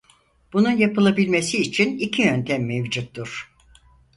Bunun yapılabilmesi için iki yöntem mevcuttur.